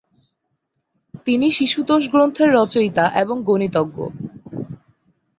তিনি শিশুতোষ গ্রন্থের রচয়িতা এবং গণিতজ্ঞ।